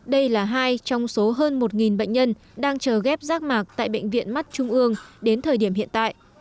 đây là hai trong số hơn một bệnh nhân đang chờ ghép rác mạc tại bệnh viện mắt trung ương đến thời điểm hiện tại